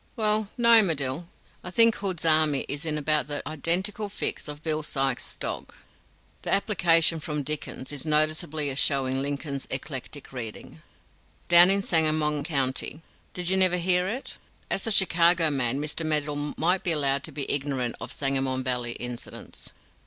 "Well, no, Medill; I think Hood's army is in about the identical fix of Bill Sykes' dog (the application from Dickens is noticeable as showing Lincoln's eclectic reading) down in Sangamon County. Did you never hear it?" As a Chicago man Mr. Medill might be allowed to be ignorant of Sangamon Valley incidents.